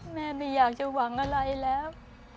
แม่ไม่อยากจะหวังอะไรแล้ว